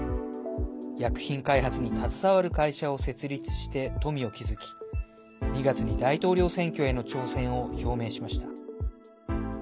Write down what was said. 薬品開発に携わる会社を設立して富を築き２月に大統領選挙への挑戦を表明しました。